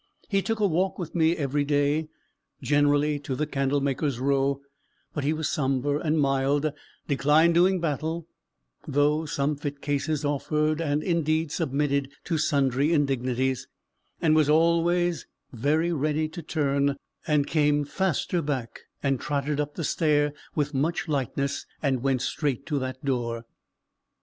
He took a walk with me every day, generally to the Candlemaker Row; but he was sombre and mild; declined doing battle, though some fit cases offered, and indeed submitted to sundry indignities; and was always very ready to turn, and came faster back, and trotted up the stair with much lightness, and went straight to that door.